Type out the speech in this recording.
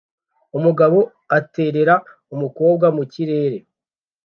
Umugabo aterera umukobwa mukirere